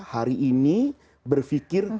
hari ini berfikir